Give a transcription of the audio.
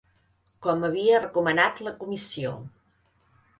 Com havia recomanat la comissió.